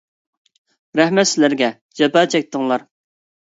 رەھمەت سىلەرگە، جاپا چەكتىڭلار!